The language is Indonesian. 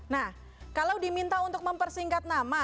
nah kalau diminta untuk mempersingkat nama